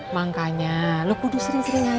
makanya lu kudu sering sering aja